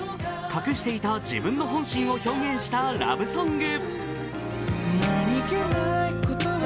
隠していた自分の本心を表現したラブソング。